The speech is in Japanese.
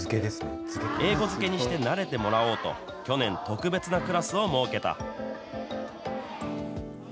英語漬けにして慣れてもらおうと、去年、特別なクラスを設けた。